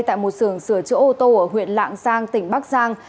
tại một sườn sửa chỗ ô tô ở huyện lạng giang tỉnh bắc giang